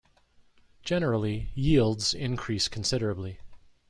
Generally, yields increase considerably.